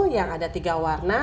yang ada tiga warna